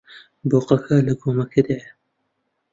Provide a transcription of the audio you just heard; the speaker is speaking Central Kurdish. بۆقەکە لە گۆمەکەدایە.